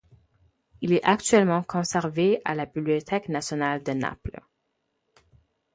Il est actuellement conservé à la Bibliothèque nationale de Naples.